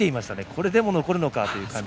これでも残るのかと。